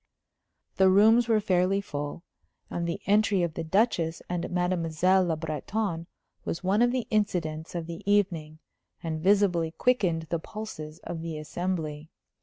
The rooms were fairly full; and the entry of the Duchess and Mademoiselle Le Breton was one of the incidents of the evening, and visibly quickened the pulses of the assembly.